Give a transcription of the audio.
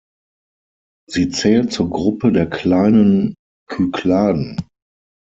Sie zählt zur Gruppe der Kleinen Kykladen.